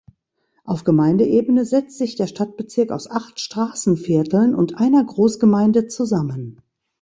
Auf Gemeindeebene setzt sich der Stadtbezirk aus acht Straßenvierteln und einer Großgemeinde zusammen.